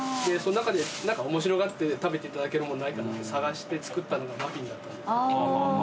その中で何か面白がって食べていただけるものないかなって探して作ったのがマフィンだったんです。